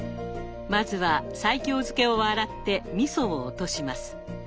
まずは西京漬けを洗ってみそを落とします。